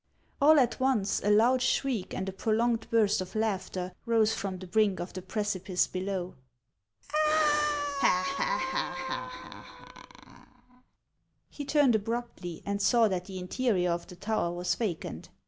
All at once, a loud shriek and a prolonged burst of laughter rose from the brink of the precipice below ; he turned abruptly, and saw that the interior of the tower was vacant.